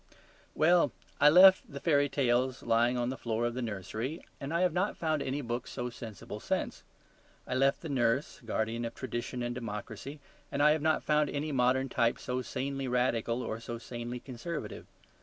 Well, I left the fairy tales lying on the floor of the nursery, and I have not found any books so sensible since. I left the nurse guardian of tradition and democracy, and I have not found any modern type so sanely radical or so sanely conservative.